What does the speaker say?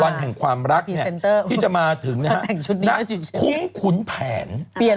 วันแห่งความรักเนี่ยที่จะมาถึงนะฮะคุ้มขุนแผนเปลี่ยน